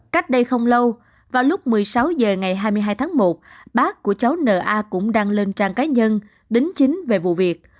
cách đây không lâu vào lúc một mươi sáu h ngày hai mươi hai tháng một bác của cháu na cũng đăng lên trang cá nhân đính chính về vụ việc